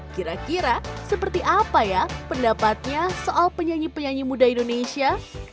kira kira seperti apa ya pendapatnya soal penyanyi penyanyi muda indonesia